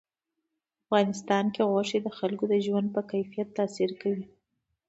په افغانستان کې غوښې د خلکو د ژوند په کیفیت تاثیر کوي.